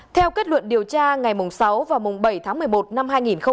theo kết luận điều tra ngày sáu và bảy tháng một mươi một năm hai nghìn một mươi chín